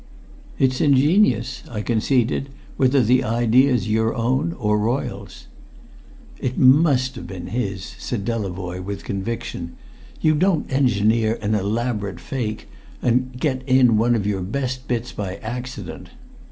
"It's ingenious," I conceded, "whether the idea's your own or Royle's." "It must have been his," said Delavoye with conviction. "You don't engineer an elaborate fake and get in one of your best bits by accident.